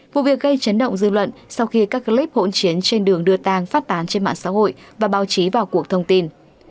vụ việc gây chấn động dư luận sau khi các clip hỗn chiến trên đường đưa tang phát tán trên mạng xã hội và báo chí vào cuộc thông tin